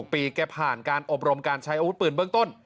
ปีแกผ่านการอบรมการใช้อาวุธปืนเบื้องต้น